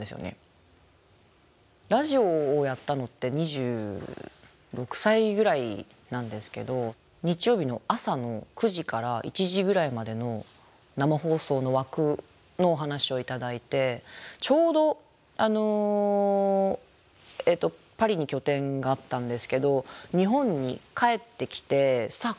ラジオをやったのって２６歳ぐらいなんですけど日曜日の朝の９時から１時ぐらいまでの生放送の枠のお話を頂いてちょうどパリに拠点があったんですけど日本に帰ってきてさあ